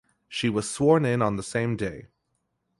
She was sworn in on the same day.